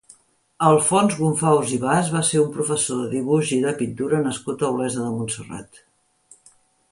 Alfons Gumfaus i Bas va ser un professor de dibuix i de pintura nascut a Olesa de Montserrat.